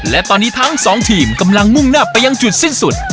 และตอนนี้ทั้งสองทีมกำลังมุ่งหน้าไปยังจุดสิ้นสุด